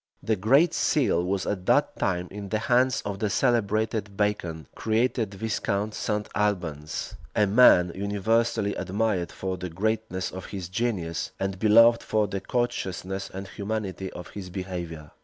The great seal was at that time in the hands of the celebrated Bacon, created Viscount St. Albans; a man universally admired for the greatness of his genius, and beloved for the courteousness and humanity of his behavior.